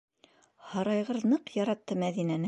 Һарайғыр ныҡ яратты Мәҙинәне!